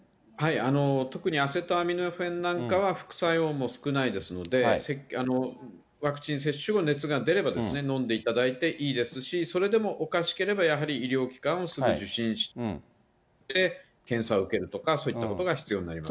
特にアセトアミノフェンなんかは、副作用も少ないですので、ワクチン接種後、熱が出れば飲んでいただいていいですし、それでもおかしければやはり医療機関をすぐ受診して、検査を受けるとか、そういったことが必要になりますね。